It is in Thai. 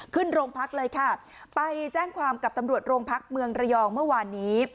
ขึ้นโรงพักเลยค่ะไปแจ้งความกับตำรวจโรงพักเมืองระยองเมื่อวานนี้